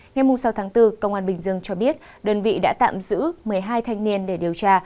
ngày sáu tháng bốn công an bình dương cho biết đơn vị đã tạm giữ một mươi hai thanh niên để điều tra